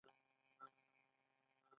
مه پرېږده چې مړ شې پوه شوې!.